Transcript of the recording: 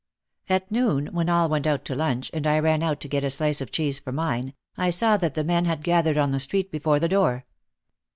At noon when all went out to lunch and I ran out to get a slice of cheese for mine, I saw that the men had gathered on the street before the door.